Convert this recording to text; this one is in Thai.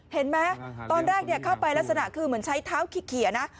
เห็นไหมตอนแรกเข้าไปลักษณะคือเหมือนใช้เท้าเขียนะ